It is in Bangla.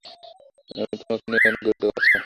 আমি তোমাকে নিয়ে অনেক গর্বিত, বাছা।